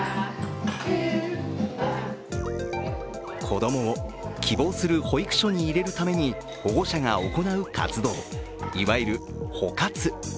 子供を希望する保育所に入れるために保護者が行う活動、いわゆる保活。